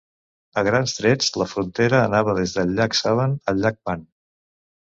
A grans trets la frontera anava des del Llac Sevan al Llac Van.